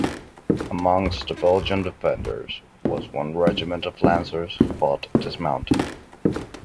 Amongst the Belgian defenders was one regiment of lancers who fought dismounted.